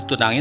ya pak haji